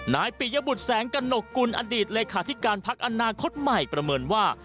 ปิยบุตรแสงกระหนกกุลอดีตเลขาธิการพักอนาคตใหม่ประเมินว่า